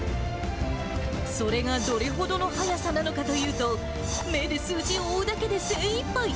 それがどれほどの速さなのかというと、目で数字を追うだけで精いっぱい。